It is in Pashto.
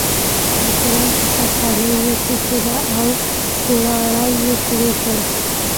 د چلم په سر خانۍ یې کېښوده او کوړاړی یې شروع کړ.